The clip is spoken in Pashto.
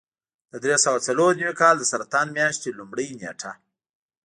د درې سوه څلور نوي کال د سرطان میاشتې لومړۍ نېټه.